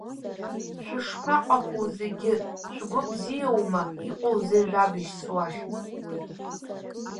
Шәышԥаҟақәоу зегьы, шәгәы бзиоума, иҟоузеи жәабжьс уахь?